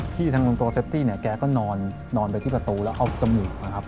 ที่ทางลุงโตเซฟตี้เนี่ยแกก็นอนไปที่ประตูแล้วเอาจมูกนะครับ